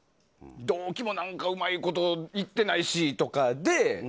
同期もうまいこといってないしとかで。